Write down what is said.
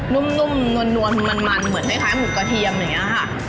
นุ่มนวลมันเหมือนคล้ายหมูกระเทียมอย่างนี้ค่ะ